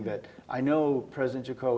saya tahu presiden jokowi